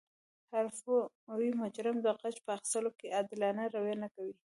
حرفوي مجرم د غچ په اخستلو کې عادلانه رویه نه کوي